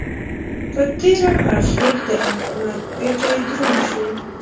په تېره اخېر د احمد پېټی دروند شو.